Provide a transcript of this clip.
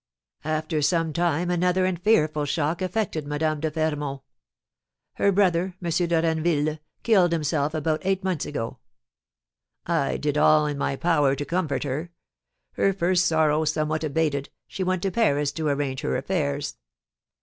"After some time another and fearful shock affected Madame de Fermont. Her brother, M. de Renneville, killed himself about eight months ago. I did all in my power to comfort her. Her first sorrow somewhat abated, she went to Paris to arrange her affairs.